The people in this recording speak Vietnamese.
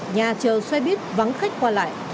nhà chờ xoay bít vắng khách qua lại